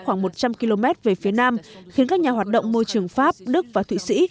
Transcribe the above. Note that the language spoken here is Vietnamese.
khoảng một trăm linh km về phía nam khiến các nhà hoạt động môi trường pháp đức và thụy sĩ